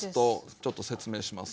ちょっと説明しますね。